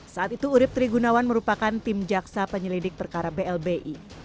saat itu urib trigunawan merupakan tim jaksa penyelidik perkara blbi